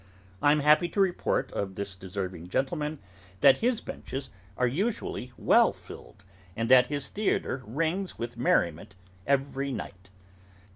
I am happy to report of this deserving gentleman, that his benches are usually well filled, and that his theatre rings with merriment every night.